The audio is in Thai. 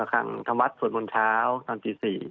ขังทำวัดสวดมนต์เช้าตอนตี๔